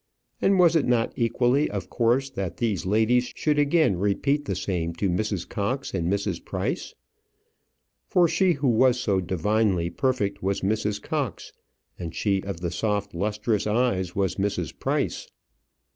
And was it not equally of course that these ladies should again repeat the same to Mrs. Cox and Mrs. Price? For she who was so divinely perfect was Mrs. Cox, and she of the soft, lustrous eyes was Mrs. Price.